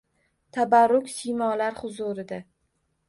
Tabarruk siymolar huzurida